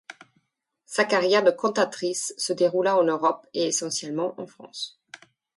Sa carrière de cantatrice se déroula en Europe et essentiellement en France.